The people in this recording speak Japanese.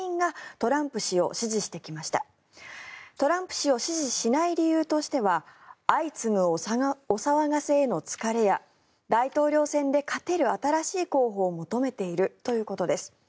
トランプ氏を支持しない理由としては相次ぐお騒がせへの疲れや大統領選で勝てる新しい候補を求めているということです。